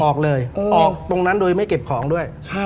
ออกเลยออกตรงนั้นโดยไม่เก็บของด้วย